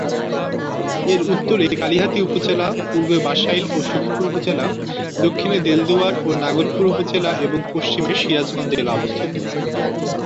এর উত্তরে কালিহাতি উপজেলা, পূর্বে বাসাইল ও সখিপুর উপজেলা, দক্ষিণে দেলদুয়ার ও নাগরপুর উপজেলা এবং পশ্চিমে সিরাজগঞ্জ জেলা অবস্থিত।